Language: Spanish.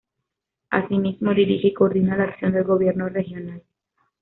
Asimismo, dirige y coordina la acción del Gobierno regional.